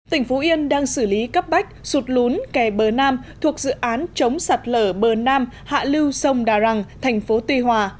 tỉnh phú yên đang xử lý cấp bách sụt lún kè bờ nam thuộc dự án chống sạt lở bờ nam hạ lưu sông đà răng thành phố tuy hòa